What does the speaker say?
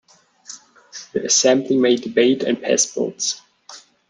The Assembly may debate and pass bills.